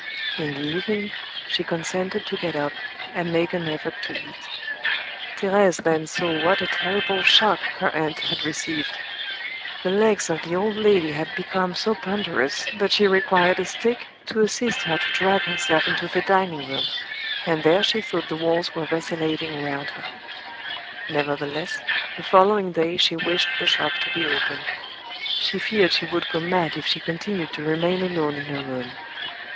In the evening, she consented to get up, and make an effort to eat. Thérèse then saw what a terrible shock her aunt had received. The legs of the old lady had become so ponderous that she required a stick to assist her to drag herself into the dining room, and there she thought the walls were vacillating around her. Nevertheless, the following day she wished the shop to be opened. She feared she would go mad if she continued to remain alone in her room.